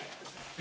え？